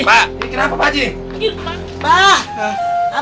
pak ini kenapa pak haji